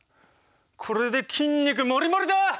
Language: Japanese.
これで筋肉モリモリだ！